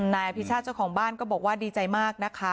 นายอภิชาติเจ้าของบ้านก็บอกว่าดีใจมากนะคะ